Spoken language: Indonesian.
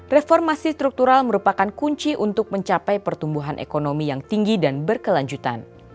reformasi struktural merupakan kunci untuk mencapai pertumbuhan ekonomi yang tinggi dan berkelanjutan